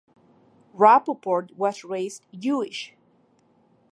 Rapoport was raised Jewish.